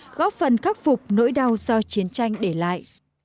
cộng đồng góp phần khắc phục nỗi đau do chiến tranh để lại